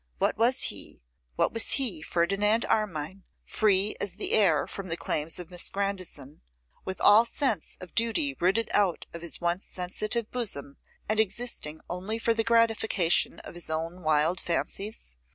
What was he, what was he, Ferdinand Armine, free as the air from the claims of Miss Grandison, with all sense of duty rooted out of his once sensitive bosom, and existing only for the gratification of his own wild fancies?